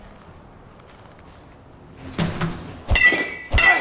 おい！